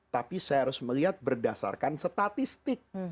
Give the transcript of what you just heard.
tapi saya harus melihat berdasarkan statistik